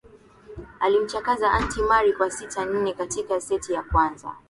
alimchakaza anti mari kwa sita nne katika seti ya kwanza